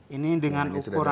ini dengan ukuran